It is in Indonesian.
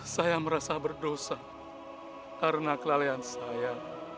saya merasa berdosa karena kelalaian saya